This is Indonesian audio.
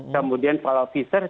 kemudian kalau pfizer